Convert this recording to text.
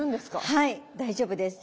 はい大丈夫です。